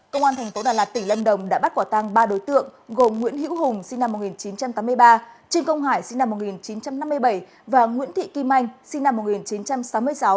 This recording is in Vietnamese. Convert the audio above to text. công an tp đà lạt tỉnh lâm đồng đã bắt quả tăng ba đối tượng gồm nguyễn hữu hùng sinh năm một nghìn chín trăm tám mươi ba trương công hải sinh năm một nghìn chín trăm năm mươi bảy và nguyễn thị kim anh sinh năm một nghìn chín trăm sáu mươi sáu